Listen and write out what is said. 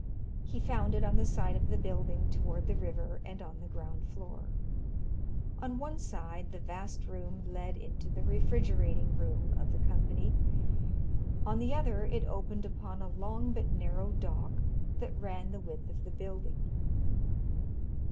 He found it on the side of the building toward the river and on the ground floor. On one side the vast room led into the refrigerating room of the company; on the other it opened upon a long but narrow dock that ran the width of the building.